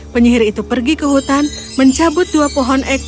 penyihir itu pergi ke hutan mencabut dua pohon ek